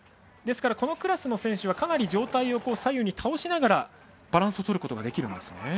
ですからこのクラスの選手はかなり上体を左右に倒しながらバランスを取ることができるんですね。